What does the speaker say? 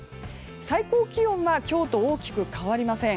最高気温は今日と大きく変わりません。